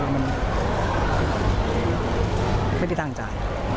ไม่มีต่างใจ